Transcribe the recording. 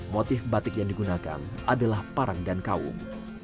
motif batik yang digunakan adalah parang dan kaum